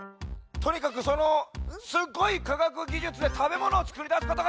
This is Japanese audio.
とにかくすっごいかがくぎじゅつでたべものをつくりだすことができるんじゃ！